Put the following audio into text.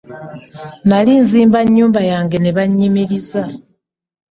Nnali nzimba ennyumba yange ne bannyimiriza